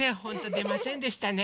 でませんでしたね。